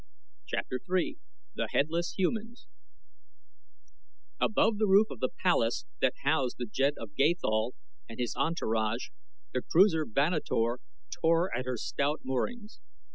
CHAPTER III THE HEADLESS HUMANS Above the roof of the palace that housed the Jed of Gathol and his entourage, the cruiser Vanator tore at her stout moorings.